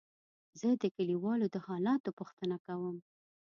زه د کليوالو د حالاتو پوښتنه کوم.